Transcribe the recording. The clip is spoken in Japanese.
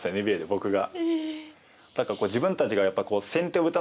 僕が。